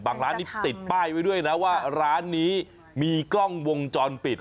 ร้านนี้ติดป้ายไว้ด้วยนะว่าร้านนี้มีกล้องวงจรปิด